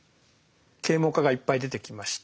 啓蒙家がいっぱい出てきました。